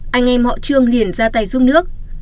anh em họ trương liền ra tay giúp nước